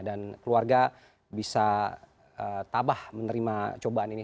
keluarga bisa tabah menerima cobaan ini